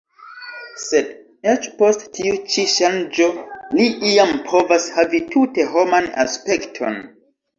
Sed eĉ post tiu ĉi ŝanĝo li iam povas havi tute homan aspekton.